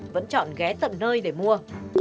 vẫn chọn ghé tận nơi để mua